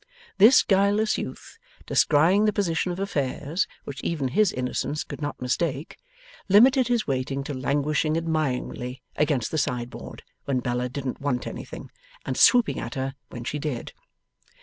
This guileless youth, descrying the position of affairs, which even his innocence could not mistake, limited his waiting to languishing admiringly against the sideboard when Bella didn't want anything, and swooping at her when she did.